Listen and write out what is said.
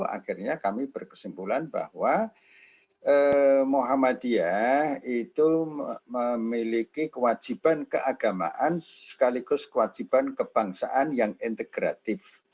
akhirnya kami berkesimpulan bahwa muhammadiyah itu memiliki kewajiban keagamaan sekaligus kewajiban kebangsaan yang integratif